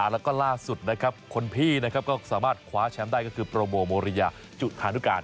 และล่าสุดคนพี่สามารถคว้าแชมป์ได้ก็คือโปรโมโมริยาจุฐานุกาล